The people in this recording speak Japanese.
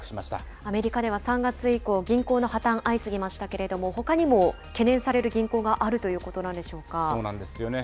アメリカでは３月以降、銀行の破綻、相次ぎましたけれども、ほかにも懸念される銀行があるとそうなんですよね。